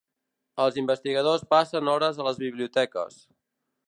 Els investigadors passen hores a les biblioteques.